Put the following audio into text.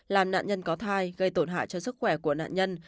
làm nạn nhân có thai gây tổn hại cho sức khỏe của nạn nhân